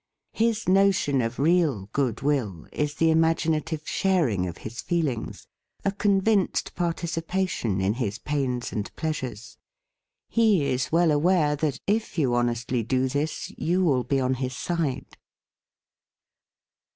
His notion of real goodwill is the imaginative sharing of his feelings, a convinced participation in his pains and pleasures. He is well aware that, if you honestly do this, you will be on his side.